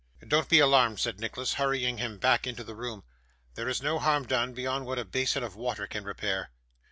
'Don't be alarmed,' said Nicholas, hurrying him back into the room. 'There is no harm done, beyond what a basin of water can repair.